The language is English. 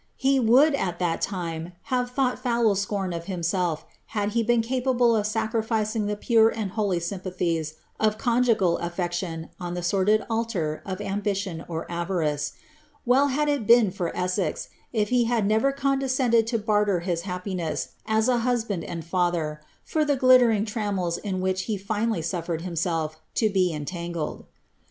He would, at that time, have thought foul scorn of himself had he been capable of sacrificing the pure and holy sympathies of conjugal tfibction on the sordid altar of ambition or avarice. Well had it been for Essex, if he had never condescended to barter his happiness, as a knsband and father, for the glittering trammels in which he finally suf fered himself to be entangled.